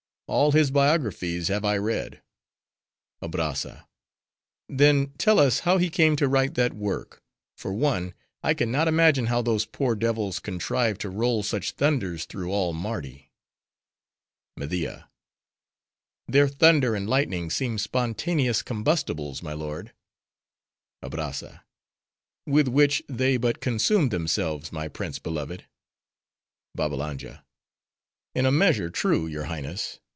All his biographies have I read. ABRAZZA—Then, tell us how he came to write that work. For one, I can not imagine how those poor devils contrive to roll such thunders through all Mardi. MEDIA—Their thunder and lightning seem spontaneous combustibles, my lord. ABRAZZA—With which, they but consume themselves, my prince beloved. BABBALANJA—In a measure, true, your Highness.